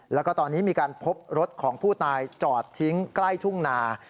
แล้วก็ตอนนี้มีการพบรถของผู้ตายจอดทิ้งใกล้ทุ่งนา